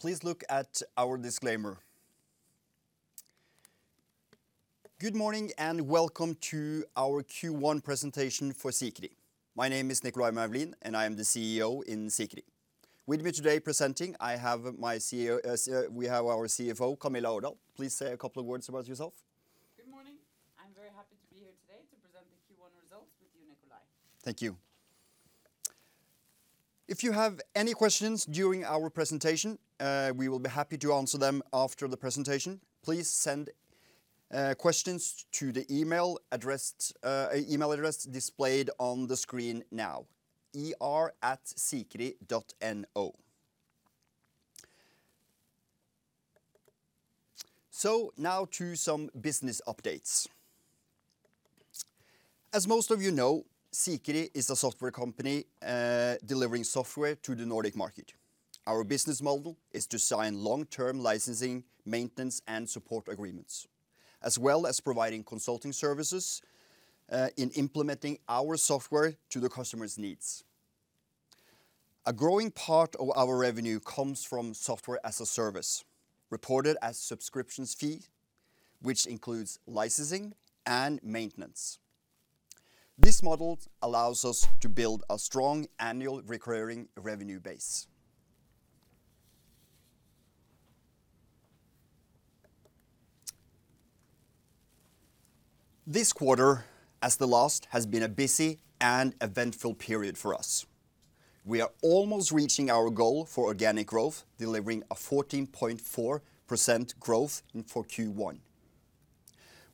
Please look at our disclaimer. Good morning. Welcome to our Q1 presentation for Sikri. My name is Nicolay Moulin. I am the CEO in Sikri. With me today presenting, we have our CFO, Camilla. Please say a couple of words about yourself. Good morning. I'm very happy to be here today to present the Q1 results with you, Nicolay. Thank you. If you have any questions during our presentation, we will be happy to answer them after the presentation. Please send questions to the email address displayed on the screen now, er@sikri.no. Now to some business updates. As most of you know, Sikri is a software company delivering software to the Nordic market. Our business model is to sign long-term licensing, maintenance, and support agreements, as well as providing consulting services in implementing our software to the customer's needs. A growing part of our revenue comes from Software as a Service, reported as subscriptions fee, which includes licensing and maintenance. This model allows us to build a strong Annual Recurring Revenue base. This quarter, as the last, has been a busy and eventful period for us. We are almost reaching our goal for organic growth, delivering a 14.4% growth for Q1.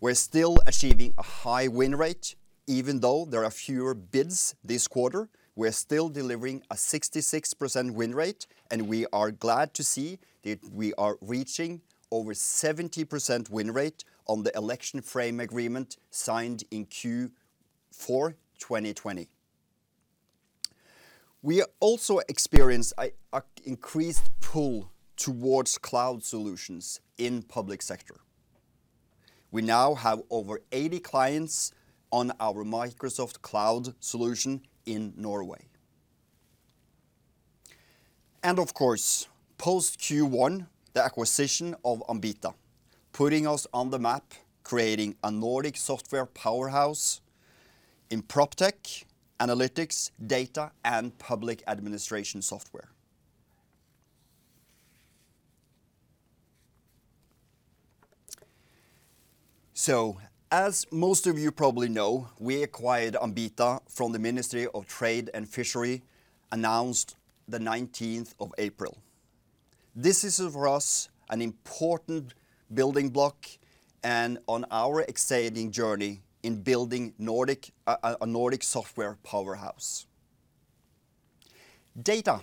We're still achieving a high win rate. Even though there are fewer bids this quarter, we're still delivering a 66% win rate, and we are glad to see that we are reaching over 70% win rate on the election frame agreement signed in Q4 2020. We are also experienced increased pull towards cloud solutions in public sector. We now have over 80 clients on our Microsoft Cloud solution in Norway. Of course, post Q1, the acquisition of Ambita, putting us on the map, creating a Nordic software powerhouse in PropTech, analytics, data, and public administration software. As most of you probably know, we acquired Ambita from the Ministry of Trade, Industry and Fisheries, announced the 19th of April. This is for us an important building block and on our exciting journey in building a Nordic software powerhouse. Data,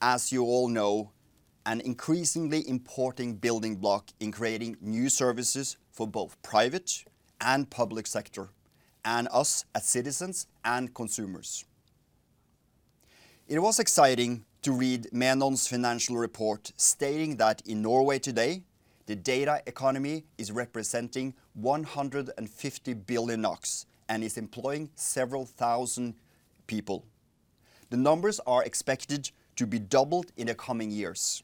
as you all know, an increasingly important building block in creating new services for both private and public sector, and us as citizens and consumers. It was exciting to read Menon's financial report stating that in Norway today, the data economy is representing 150 billion NOK and is employing several thousand people. The numbers are expected to be doubled in the coming years.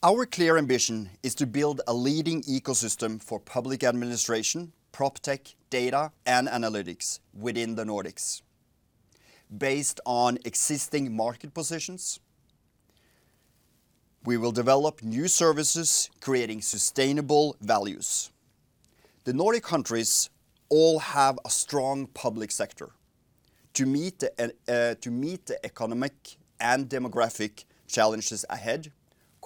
Our clear ambition is to build a leading ecosystem for public administration, PropTech, data, and analytics within the Nordics. Based on existing market positions, we will develop new services creating sustainable values. The Nordic countries all have a strong public sector. To meet the economic and demographic challenges ahead,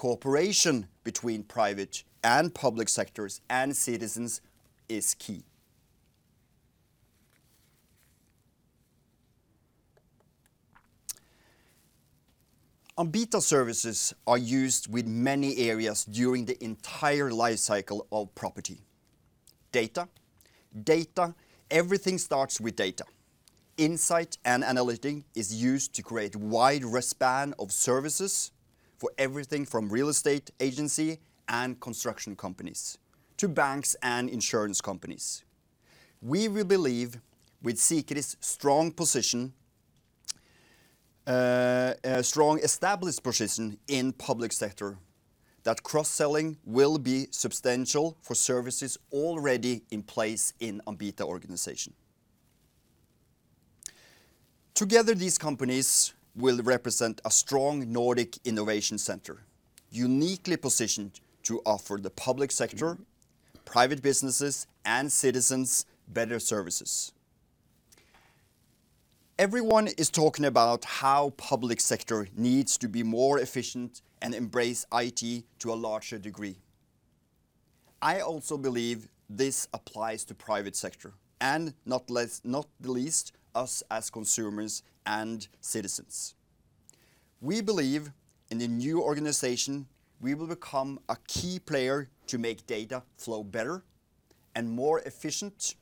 cooperation between private and public sectors and citizens is key. Ambita services are used with many areas during the entire life cycle of property. Data. Everything starts with data. Insight and analytics is used to create wide span of services for everything from real estate agency and construction companies to banks and insurance companies. We believe with Sikri's strong established position in public sector, that cross-selling will be substantial for services already in place in Ambita organization. Together, these companies will represent a strong Nordic innovation center, uniquely positioned to offer the public sector, private businesses, and citizens better services. Everyone is talking about how public sector needs to be more efficient and embrace IT to a larger degree. I also believe this applies to private sector and not least us as consumers and citizens. We believe in the new organization, we will become a key player to make data flow better and more efficient,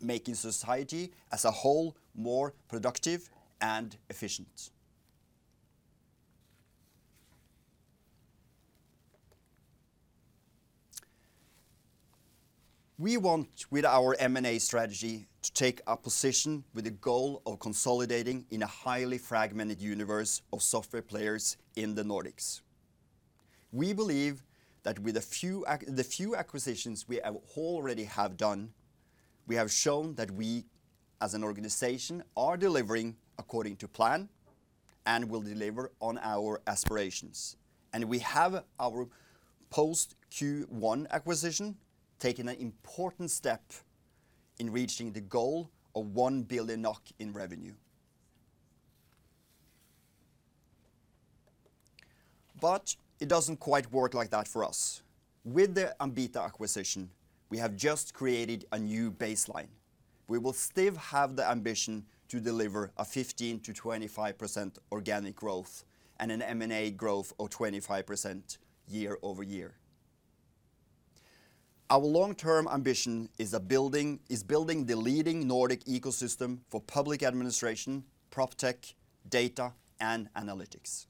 making society as a whole more productive and efficient. We want with our M&A strategy to take a position with the goal of consolidating in a highly fragmented universe of software players in the Nordics. We believe that in the few acquisitions we already have done, we have shown that we as an organization are delivering according to plan and will deliver on our aspirations. We have our post Q1 acquisition, taken an important step in reaching the goal of 1 billion NOK in revenue. It doesn't quite work like that for us. With the Ambita acquisition, we have just created a new baseline. We will still have the ambition to deliver a 15%-25% organic growth and an M&A growth of 25% year-over-year. Our long-term ambition is building the leading Nordic ecosystem for public administration, PropTech, data, and analytics.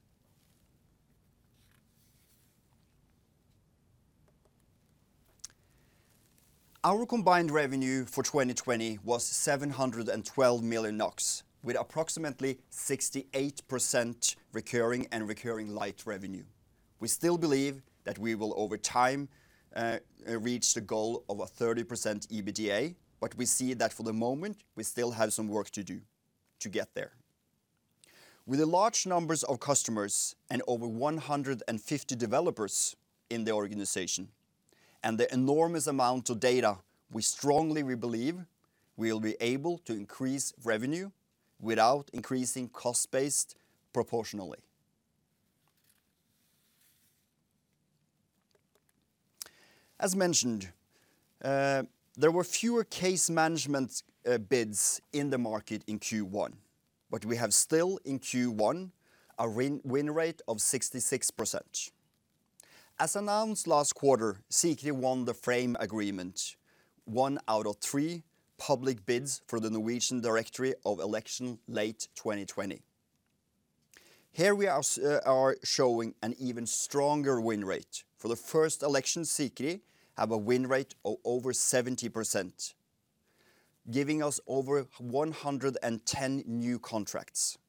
Our combined revenue for 2020 was 712 million NOK, with approximately 68% recurring and recurring like revenue. We still believe that we will, over time, reach the goal of a 30% EBITDA, but we see that for the moment, we still have some work to do to get there. With the large numbers of customers and over 150 developers in the organization, and the enormous amount of data, we strongly believe we'll be able to increase revenue without increasing cost base proportionally. As mentioned, there were fewer case management bids in the market in Q1. We have still in Q1 a win rate of 66%. As announced last quarter, Sikri won the frame agreement, one out of three public bids for the Norwegian Directorate of Elections late 2020. Here we are showing an even stronger win rate. For the first election, Sikri have a win rate of over 70%, giving us over 110 new contracts.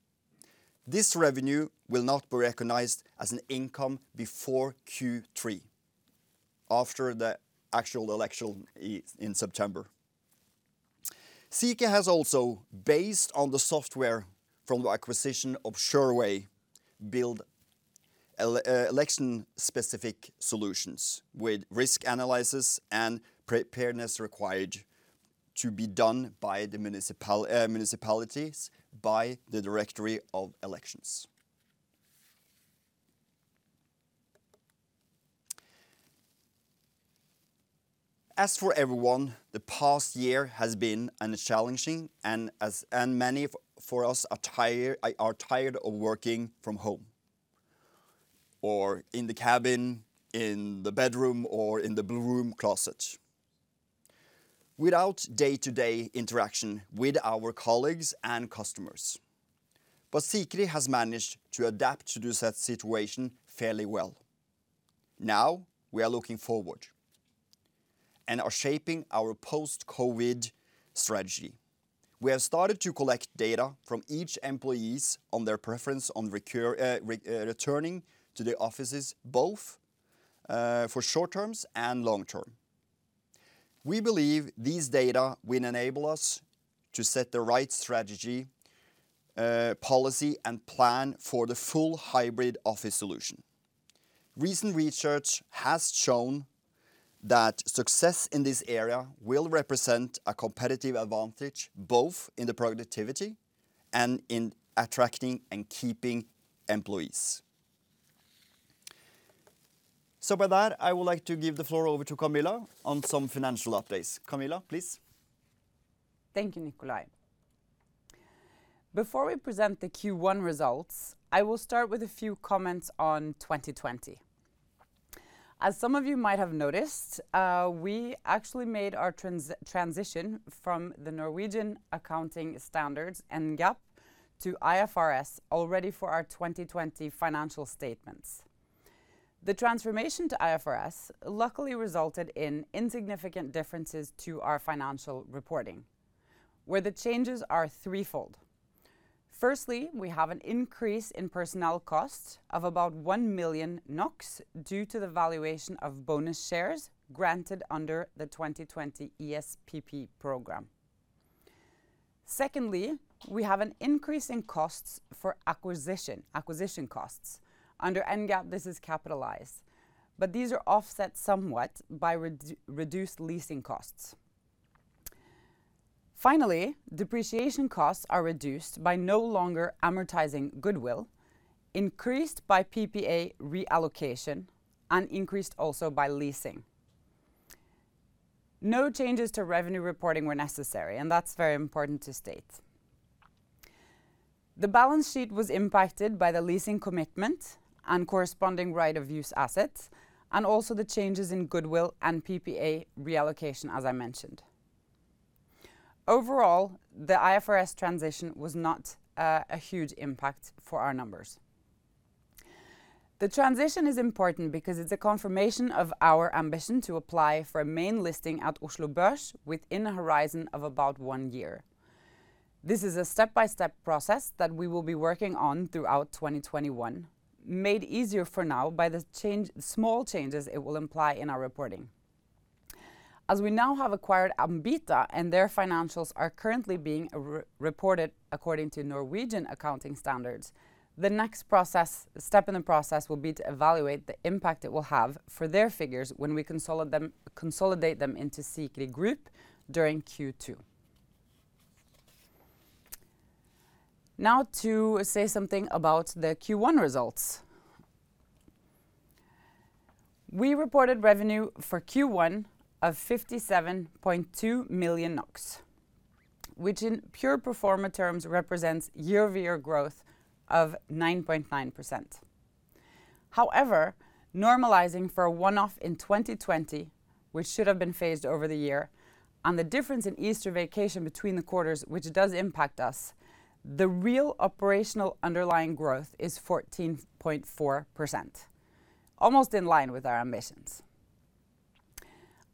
This revenue will not be recognized as an income before Q3, after the actual election in September. Sikri has also, based on the software from the acquisition of Sureway AS, built election-specific solutions with risk analysis and preparedness required to be done by the municipalities by the Norwegian Directorate of Elections. As for everyone, the past year has been challenging and many of us are tired of working from home, or in the cabin, in the bedroom, or in the broom closet without day-to-day interaction with our colleagues and customers. Sikri has managed to adapt to the said situation fairly well. Now we are looking forward and are shaping our post-COVID strategy. We have started to collect data from each employees on their preference on returning to the offices, both for short-terms and long-term. We believe these data will enable us to set the right strategy, policy, and plan for the full hybrid office solution. Recent research has shown that success in this area will represent a competitive advantage, both in the productivity and in attracting and keeping employees. With that, I would like to give the floor over to Camilla on some financial updates. Camilla, please. Thank you, Nicolay. Before we present the Q1 results, I will start with a few comments on 2020. As some of you might have noticed, we actually made our transition from the Norwegian accounting standards, NGAAP, to IFRS already for our 2020 financial statements. The transformation to IFRS luckily resulted in insignificant differences to our financial reporting, where the changes are threefold. Firstly, we have an increase in personnel costs of about 1 million NOK due to the valuation of bonus shares granted under the 2020 ESPP program. Secondly, we have an increase in acquisition costs. Under NGAAP, this is capitalized, but these are offset somewhat by reduced leasing costs. Finally, depreciation costs are reduced by no longer amortizing goodwill, increased by PPA reallocation, and increased also by leasing. No changes to revenue reporting were necessary, and that is very important to state. The balance sheet was impacted by the leasing commitment and corresponding right-of-use assets, and also the changes in goodwill and PPA reallocation, as I mentioned. Overall, the IFRS transition was not a huge impact for our numbers. The transition is important because it's a confirmation of our ambition to apply for a main listing at Oslo Børs within a horizon of about one year. This is a step-by-step process that we will be working on throughout 2021, made easier for now by the small changes it will imply in our reporting. As we now have acquired Ambita and their financials are currently being reported according to Norwegian accounting standards, the next step in the process will be to evaluate the impact it will have for their figures when we consolidate them into Sikri Group during Q2. To say something about the Q1 results. We reported revenue for Q1 of 57.2 million NOK, which in pure pro forma terms represents year-over-year growth of 9.9%. However, normalizing for a one-off in 2020, which should have been phased over the year, and the difference in Easter vacation between the quarters, which does impact us, the real operational underlying growth is 14.4%, almost in line with our ambitions.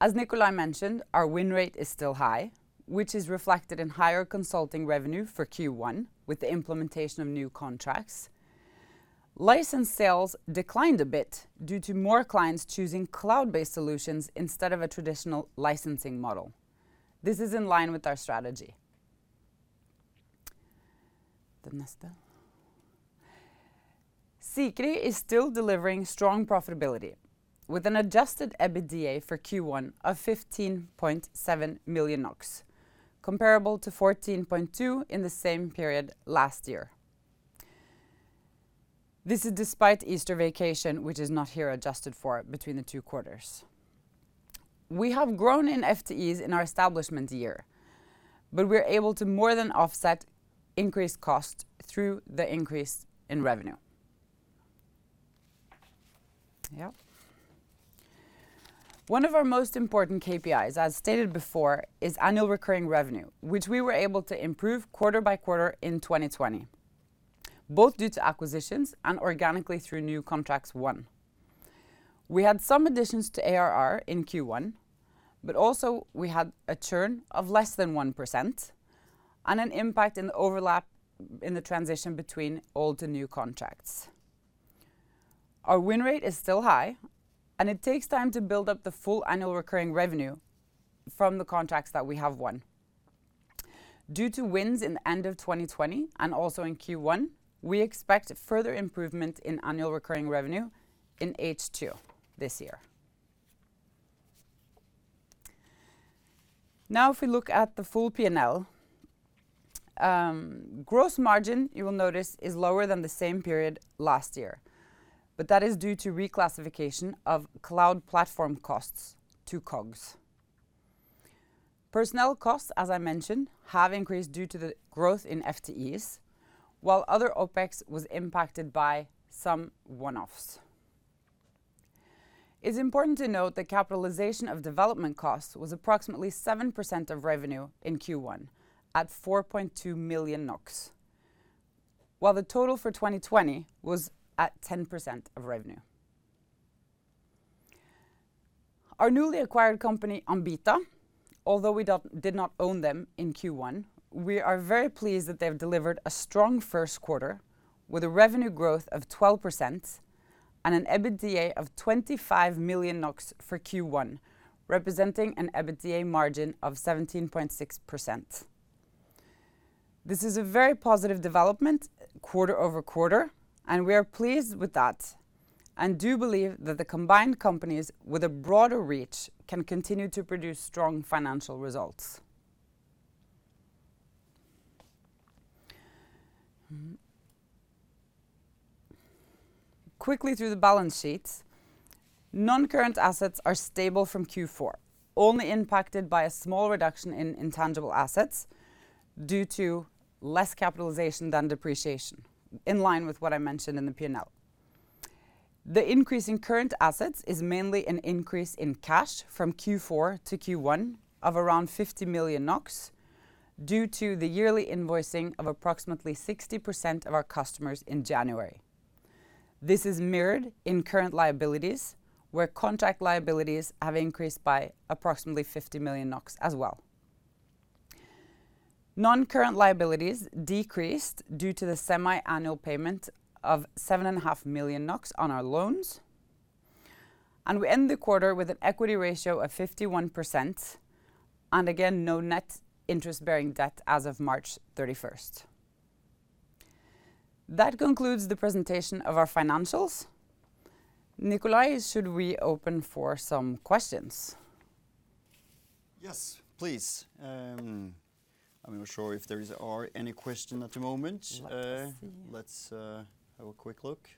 As Nicolay mentioned, our win rate is still high, which is reflected in higher consulting revenue for Q1 with the implementation of new contracts. License sales declined a bit due to more clients choosing cloud-based solutions instead of a traditional licensing model. This is in line with our strategy. The next step. Sikri is still delivering strong profitability with an adjusted EBITDA for Q1 of 15.7 million NOK, comparable to 14.2 million NOK in the same period last year. This is despite Easter vacation, which is not here adjusted for between the two quarters. We have grown in FTEs in our establishment year. We are able to more than offset increased cost through the increase in revenue. One of our most important KPIs, as stated before, is annual recurring revenue, which we were able to improve quarter by quarter in 2020, both due to acquisitions and organically through new contracts won. We had some additions to ARR in Q1. Also, we had a churn of less than 1% and an impact in the overlap in the transition between old and new contracts. Our win rate is still high. It takes time to build up the full annual recurring revenue from the contracts that we have won. Due to wins in end of 2020 and also in Q1, we expect further improvement in annual recurring revenue in H2 this year. Now if we look at the full P&L, gross margin, you will notice, is lower than the same period last year, but that is due to reclassification of cloud platform costs to COGS. Personnel costs, as I mentioned, have increased due to the growth in FTEs, while other OPEX was impacted by some one-offs. It's important to note the capitalization of development costs was approximately 7% of revenue in Q1 at 4.2 million NOK, while the total for 2020 was at 10% of revenue. Our newly acquired company, Ambita, although we did not own them in Q1, we are very pleased that they have delivered a strong Q1 with a revenue growth of 12% and an EBITDA of 25 million NOK for Q1, representing an EBITDA margin of 17.6%. This is a very positive development quarter-over-quarter. We are pleased with that and do believe that the combined companies with a broader reach can continue to produce strong financial results. Quickly through the balance sheets. Non-current assets are stable from Q4, only impacted by a small reduction in intangible assets due to less capitalization than depreciation, in line with what I mentioned in the P&L. The increase in current assets is mainly an increase in cash from Q4 to Q1 of around 50 million NOK due to the yearly invoicing of approximately 60% of our customers in January. This is mirrored in current liabilities, where contract liabilities have increased by approximately 50 million NOK as well. Non-current liabilities decreased due to the semi-annual payment of 7.5 million NOK on our loans. We end the quarter with an equity ratio of 51% and again, no net interest-bearing debt as of March 31st. That concludes the presentation of our financials. Nicolay, should we open for some questions? Yes, please. I'm not sure if there are any questions at the moment. Not that I see. Let's have a quick look.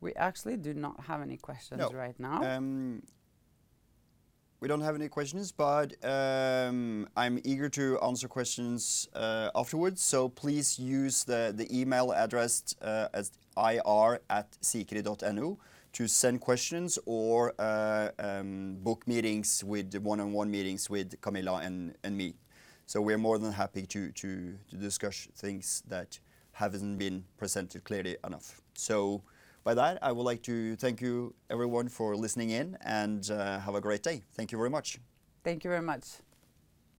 We actually do not have any questions right now. No. We don't have any questions, but I'm eager to answer questions afterwards, please use the email address at ir@sikri.no to send questions or book one-on-one meetings with Camilla and me. We're more than happy to discuss things that haven't been presented clearly enough. With that, I would like to thank you everyone for listening in, and have a great day. Thank you very much. Thank you very much.